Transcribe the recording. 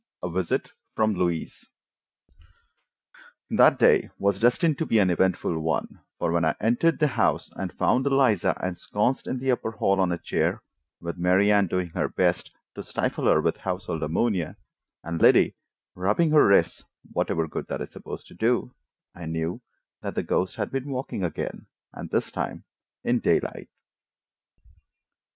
A VISIT FROM LOUISE That day was destined to be an eventful one, for when I entered the house and found Eliza ensconced in the upper hall on a chair, with Mary Anne doing her best to stifle her with household ammonia, and Liddy rubbing her wrists—whatever good that is supposed to do—I knew that the ghost had been walking again, and this time in daylight.